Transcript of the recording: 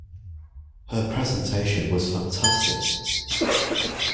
Her presentation was fantastic!